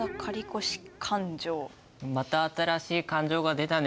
また新しい勘定が出たね。